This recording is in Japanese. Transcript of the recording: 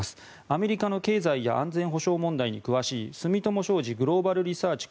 アメリカの経済や安全保障問題に詳しい住友商事グローバルリサーチ